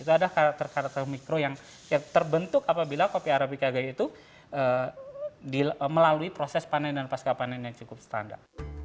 itu ada karakter karakter mikro yang terbentuk apabila kopi arabica gaya itu melalui proses panen dan pasca panen yang cukup standar